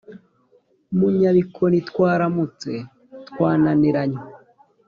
mu nyabikoni twaramutse twananiranywe!